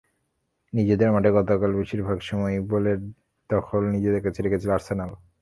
নিজেদের মাঠে গতকাল বেশির ভাগ সময়ই বলের দখল নিজেদের কাছেই রেখেছিল আর্সেনাল।